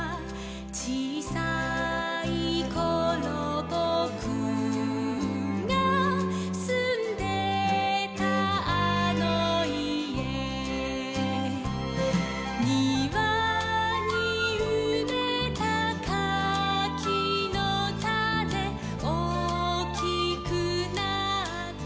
「ちいさいころぼくがすんでたあのいえ」「にわにうめたかきのタネおおきくなったかな」